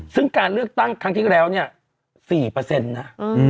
ซึ่งการเลือกตั้งครั้งที่แล้วเนี่ย๔นะ